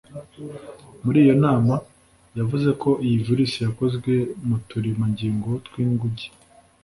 muri iyo nama yavuze ko iyi virus yakozwe mu turemangingo tw’inguge